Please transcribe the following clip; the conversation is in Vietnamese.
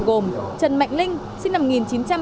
gồm trần mạnh linh sinh năm một nghìn chín trăm tám mươi